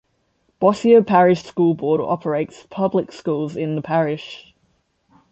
Bossier Parish School Board operates public schools in the parish.